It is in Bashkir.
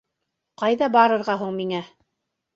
Ҡайҙа барырға һуң миңә?